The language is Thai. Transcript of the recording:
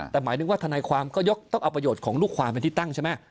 แต่หมายถึงว่าทนายความก็ยกต้องเอาประโยชน์ของลูกความเป็นที่ตั้งใช่ไหม